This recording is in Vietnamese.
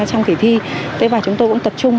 trong kỳ thi và chúng tôi cũng tập trung